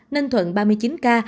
ninh thuận ba mươi chín ca